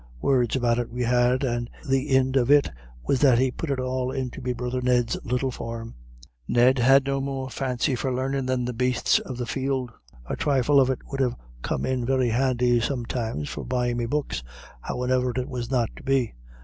Words about it we had, and the ind of it was he put it all into me brother Ned's little farm. Ned had no more fancy for larnin' than the bastes of the field. A trifle of it would ha' come in very handy sometimes for buyin' me books; howane'er it was not to be....